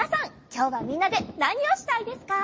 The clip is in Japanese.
きょうはみんなでなにをしたいですか？